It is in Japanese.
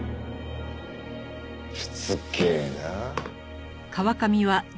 しつけえなあ。